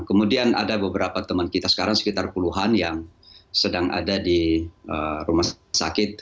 kemudian ada beberapa teman kita sekarang sekitar puluhan yang sedang ada di rumah sakit